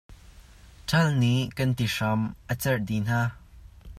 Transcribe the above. Ṭhal nih kan ti hram a carh dih hna.